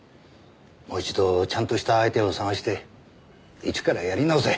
もう一度ちゃんとした相手を探して一からやり直せ。